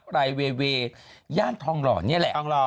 รายเวย์ย่านทองรอนี่แหละ